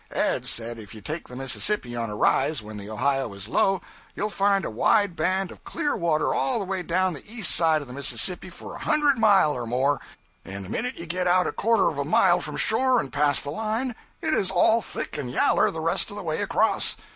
Ed said if you take the Mississippi on a rise when the Ohio is low, you'll find a wide band of clear water all the way down the east side of the Mississippi for a hundred mile or more, and the minute you get out a quarter of a mile from shore and pass the line, it is all thick and yaller the rest of the way across.